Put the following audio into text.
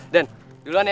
dan duluan ya